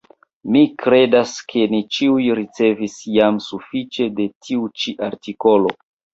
Mi kredas, ke ni ĉiuj ricevis jam sufiĉe de tiu ĉi artikolo.